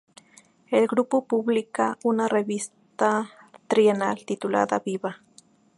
El grupo publica una revista trienal titulada "Viva!